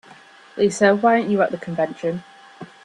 Lisa, why aren't you at the convention?